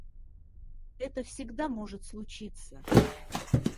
Это всегда может случиться.